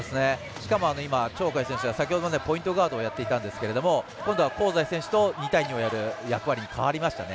しかも鳥海選手が先ほどポイントガードもやってたんですけど香西選手と２対２をやる役割に変わりましたね。